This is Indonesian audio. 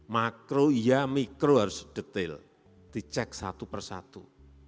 makro ya mikro harus detail dicek satu persatu